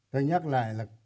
tôi nhắc lại là